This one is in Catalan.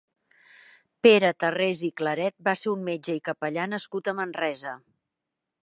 Pere Tarrés i Claret va ser un metge i capellà nascut a Manresa.